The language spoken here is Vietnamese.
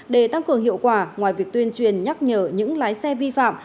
để tăng cường hiệu quả ngoài việc tuyên truyền nhắc nhở những lái xe vi phạm